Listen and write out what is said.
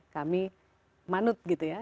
kami manut gitu ya